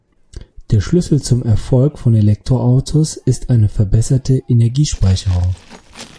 Der Schlüssel zum Erfolg von Elektroautos ist eine verbesserte Energiespeicherung.